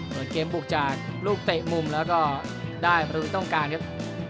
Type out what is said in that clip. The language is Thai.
ส่วนเกมบุกจากลูกเตะมุมแล้วก็ได้ประตูต้องการครับ